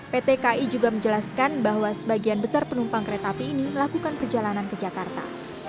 pt ki juga menjelaskan bahwa sebagian besar penumpang kereta api ini melakukan perjalanan ke jakarta